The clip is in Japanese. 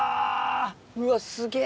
うわすげぇ。